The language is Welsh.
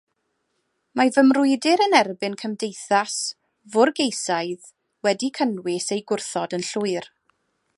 Mae fy mrwydr yn erbyn cymdeithas fwrgeisaidd wedi cynnwys ei gwrthod yn llwyr.